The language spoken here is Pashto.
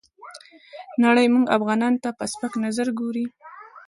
نړۍ موږ افغانانو ته په سپک نظر ګوري.